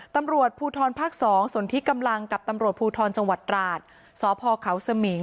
ตำรวจภูทรภาค๒ส่วนที่กำลังกับตำรวจภูทรจังหวัดราชสพเขาสมิง